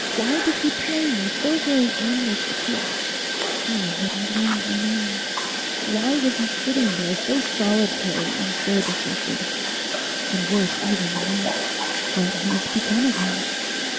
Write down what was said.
Why did he play me so very aimless a trick? How had he learned my name? Why was he sitting there so solitary and so dejected? And worse even than that, what has become of him?